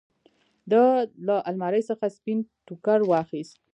ده له المارۍ څخه سپين ټوکر واخېست.